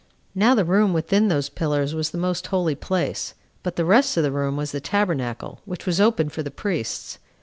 Now the room within those pillars was the most holy place; but the rest of the room was the tabernacle, which was open for the priests.